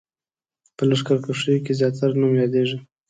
په لښکرکښیو کې زیاتره نوم یادېږي.